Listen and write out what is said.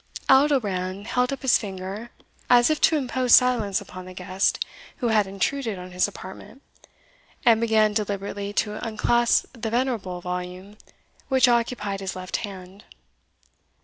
Aldobrand held up his finger, as if to impose silence upon the guest who had intruded on his apartment, and began deliberately to unclasp the venerable, volume which occupied his left hand.